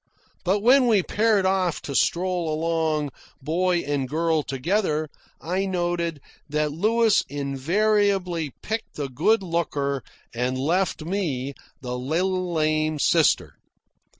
But when we paired off to stroll along boy and girl together, I noted that Louis had invariably picked the good looker and left to me the little lame sister.